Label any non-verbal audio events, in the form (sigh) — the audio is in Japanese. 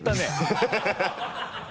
ハハハ (laughs)